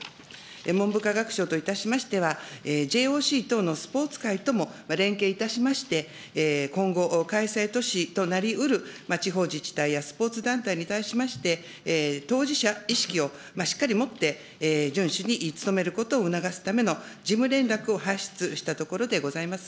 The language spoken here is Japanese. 文部科学省といたしましては、ＪＯＣ等のスポーツ界とも連携いたしまして、今後、開催都市となりうる地方自治体やスポーツ団体に対しまして、当事者意識をしっかり持って順守に努めることを促すための事務連絡を発出したところでございます。